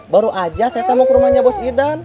baru aja saya tamu ke rumahnya bos idan